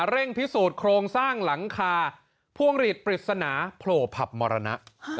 เร่งพิสูจน์โครงสร้างหลังคาพวงหลีดปริศนาโผล่ผับมรณะ